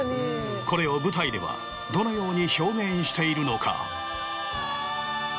これを舞台ではどのように表現しているのか？